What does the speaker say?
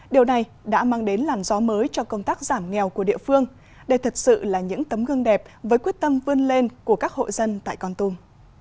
điều này đã mang đến làn gió mới cho công tác giảm nghèo của địa phương đây thật sự là những tấm gương đẹp với quyết tâm vươn lên của các hộ dân tại con tum